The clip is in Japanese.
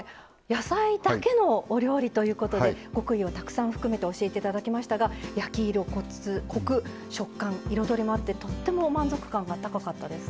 野菜だけのお料理ということで極意をたくさん含めて教えて頂きましたが焼き色コク食感彩りもあってとっても満足感が高かったです。